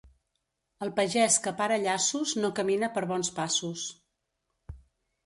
El pagès que para llaços no camina per bons passos.